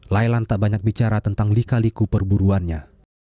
lailan tak banyak bicara tentang lika liku perburuannya